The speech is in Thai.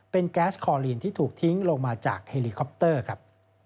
เป็นแก๊สคอลีนที่ถูกทิ้งลงมาจากเฮลิคอปเตอร์ครับ